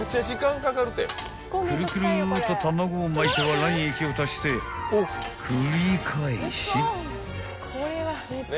［くるくるっと卵を巻いては卵液を足してを繰り返し］